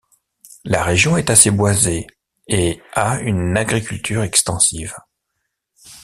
La région est assez boisée et a une agriculture extensive.